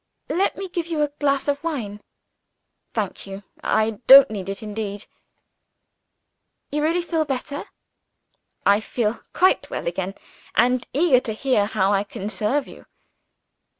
"Let me give you a glass of wine." "Thank you I don't need it indeed." "You really feel better?" "I feel quite well again and eager to hear how I can serve you."